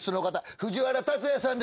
藤原竜也さんです。